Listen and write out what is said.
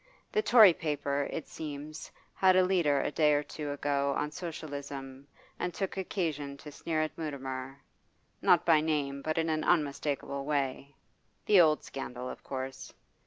The Tory paper, it seems, had a leader a day or two ago on Socialism, and took occasion to sneer at Mutimer, not by name, but in an unmistakable way the old scandal of course.